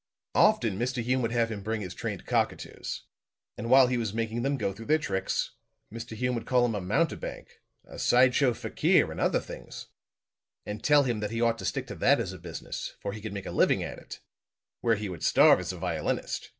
"Often Mr. Hume would have him bring his trained cockatoos. And while he was making them go through their tricks, Mr. Hume would call him a mountebank, a side show fakir and other things, and tell him that he ought to stick to that as a business, for he could make a living at it, where he would starve as a violinist.